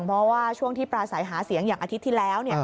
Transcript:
เพราะว่าช่วงที่ปราศัยหาเสียงอย่างอาทิตย์ที่แล้ว